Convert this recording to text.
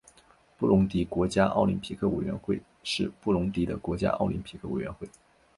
布隆迪国家奥林匹克委员会是布隆迪的国家奥林匹克委员会。